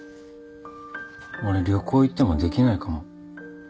俺旅行行ってもできないかも。